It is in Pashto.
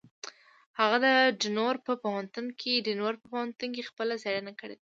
هغه د ډنور په پوهنتون کې خپله څېړنه کړې ده.